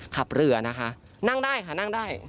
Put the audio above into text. ขับเรือนะคะนั่งได้ค่ะนั่งได้